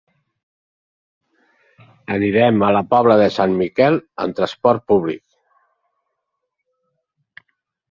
Anirem a la Pobla de Sant Miquel amb transport públic.